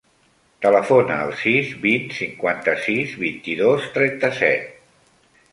Telefona al sis, vint, cinquanta-sis, vint-i-dos, trenta-set.